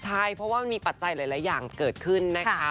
ใช่เพราะว่ามันมีปัจจัยหลายอย่างเกิดขึ้นนะคะ